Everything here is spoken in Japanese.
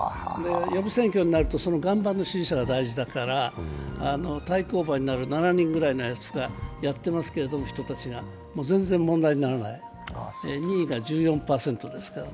予備選挙になると、その岩盤の支持者が大事だから、対抗馬になる７人ぐらいのやつがやってますけど、人たちが全然問題にならない、２位が１４％ですから。